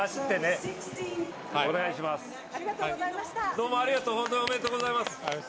どうもありがとう本当におめでとうございます。